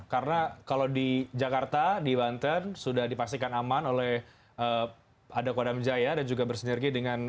karena kalau di jakarta di banten sudah dipastikan aman oleh ada kodam jaya dan juga bersinergi dengan